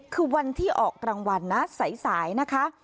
คือวันที่ออกรางวัลนะสายนะคะ